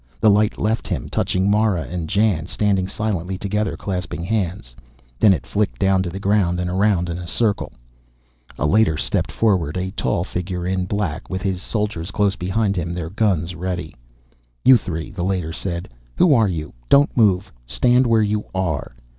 The light left him, touching Mara and Jan, standing silently together, clasping hands. Then it flicked down to the ground and around in a circle. A Leiter stepped forward, a tall figure in black, with his soldiers close behind him, their guns ready. "You three," the Leiter said. "Who are you? Don't move. Stand where you are."